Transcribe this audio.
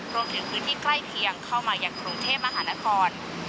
รวมถึงพื้นที่ใกล้เคียงเข้ามายังกรุงเทพมหานคร